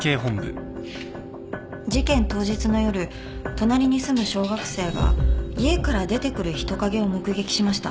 事件当日の夜隣に住む小学生が家から出てくる人影を目撃しました。